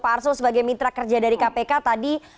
pak arsul sebagai mitra kerja dari kpk tadi